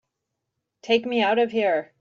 Take me out of here!